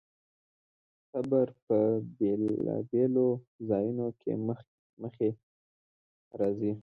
صبر په بېلابېلو ځایونو کې مخې ته راځي.